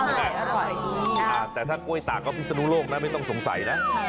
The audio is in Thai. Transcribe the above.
อ่าแต่กล้วยตาก้วิศนุโลกไม่ต้องสงสัยนะ